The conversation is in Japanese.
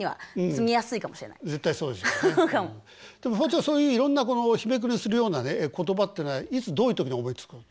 そういういろんな日めくりするような言葉っていうのはいつどういう時に思いつくの？